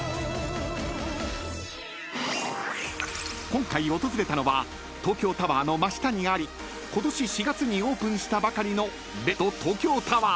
［今回訪れたのは東京タワーの真下にありことし４月にオープンしたばかりの］